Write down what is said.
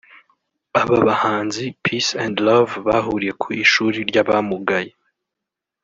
Aba bahanzi Peace and Love bahuriye ku ishuri ry’abamugaye